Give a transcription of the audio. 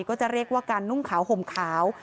ก็จะเรียกว่าการนุ่งขาวห่มขาว